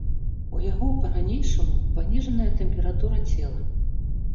У яго па-ранейшаму паніжаная тэмпература цела.